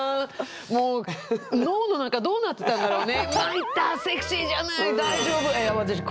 もう脳の中どうなってたんだろうね。